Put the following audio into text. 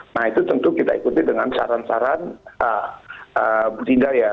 nah itu tentu kita ikuti dengan saran saran budidaya